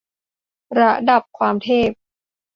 ระดับความเทพ